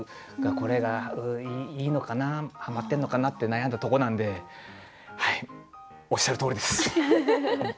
これがいいのかなはまってるのかなって悩んだとこなんではいおっしゃるとおりです。